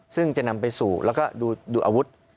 ซึ่งจะนำไปสู่แล้วก็ดูอาวุธ